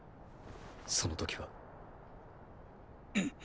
その時は。